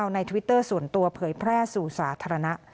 ในทวิตเตอร์ส่วนตัวเผยแพร่สู่สาธารณะ